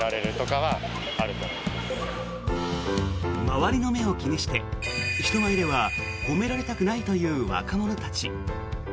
周りの目を気にして人前では褒められたくないという若者たち。